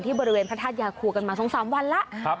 ที่บริเวณพระทาสยาครูกันมา๒๓วันแล้ว